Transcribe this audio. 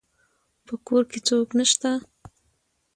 په کور کې څوک نشته